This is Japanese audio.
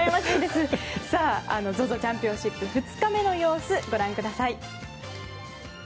チャンピオンシップ２日目の様子、ご覧ください。